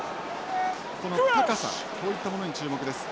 この高さこういったものに注目です。